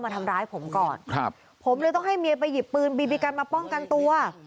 ทำร้ายผมก่อนครับผมเลยต้องให้เมียไปหยิบปืนบีบีกันมาป้องกันตัว